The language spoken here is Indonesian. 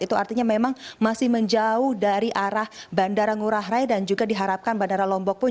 itu artinya memang masih menjauh dari arah bandara ngurah rai dan juga diharapkan bandara lombok pun